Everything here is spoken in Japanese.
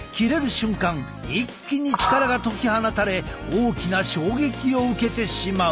瞬間一気に力が解き放たれ大きな衝撃を受けてしまう。